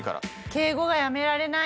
「敬語がやめられない」。